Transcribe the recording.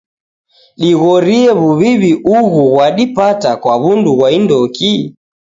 Dighorie wuwiwi ughu ghwadipata kwa wundu ghwa indoki?